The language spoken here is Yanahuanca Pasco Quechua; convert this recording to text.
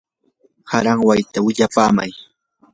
aranwayta willapamay.